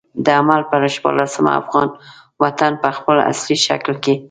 د حمل پر شپاړلسمه افغان وطن په خپل اصلي شکل کې.